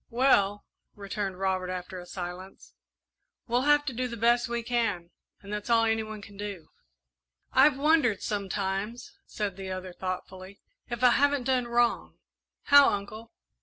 "Well," returned Robert, after a silence, "we'll have to do the best we can, and that's all any one can do." "I've wondered sometimes," said the other, thoughtfully, "if I haven't done wrong." "How, Uncle?"